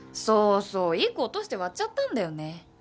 そうそう１個落として割っちゃったんだよね。